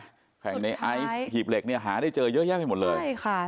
ใครอย่างนี้ไอซ์หีบเหล็กเนี่ยหาได้เจอเยอะแยะไปหมดเลย